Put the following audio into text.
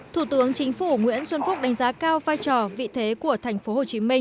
thủ tướng chính phủ nguyễn xuân phúc đánh giá cao vai trò vị thế của tp hcm